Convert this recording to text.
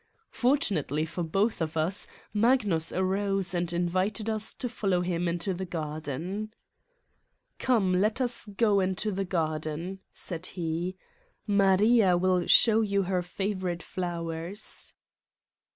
Fortunately for both of us Magnus arose and invited us to follow him into the garden. "Come, let us go into the garden," said he. 38 Satan's Diary " Maria will show you her favorite flowers."